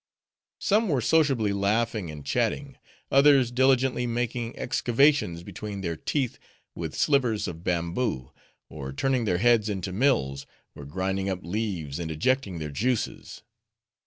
Some were sociably laughing, and chatting; others diligently making excavations between their teeth with slivers of bamboo; or turning their heads into mills, were grinding up leaves and ejecting their juices.